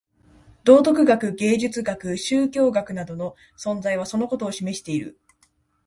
道徳学、芸術学、宗教学等の存在はそのことを示している。